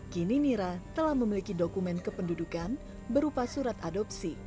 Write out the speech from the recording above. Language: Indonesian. kini nira telah memiliki dokumen kependudukan berupa surat adopsi